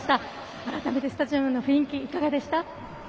改めて、スタジアムの雰囲気いかがでした？